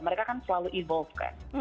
mereka kan selalu evolve kan